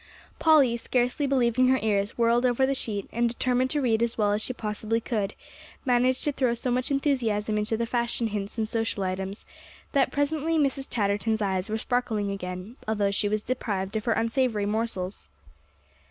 Polly, scarcely believing her ears, whirled over the sheet, and determined to read as well as she possibly could, managed to throw so much enthusiasm into the fashion hints and social items, that presently Mrs. Chatterton's eyes were sparkling again, although she was deprived of her unsavory morsels.